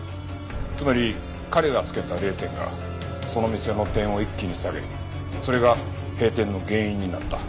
つまり彼が付けた０点がその店の点を一気に下げそれが閉店の原因になった。